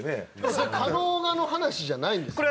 それ『かのおが』の話じゃないんですよね？